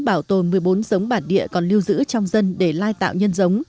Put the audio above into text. bảo tồn một mươi bốn giống bản địa còn lưu giữ trong dân để lai tạo nhân giống